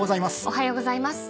おはようございます。